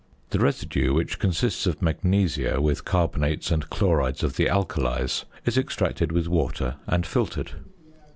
The residue, which consists of magnesia with carbonates and chlorides of the alkalies, is extracted with water; and filtered.